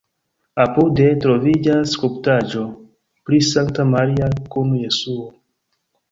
Apude troviĝas skulptaĵo pri Sankta Maria kun Jesuo.